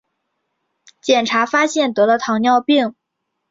检查发现得了糖尿病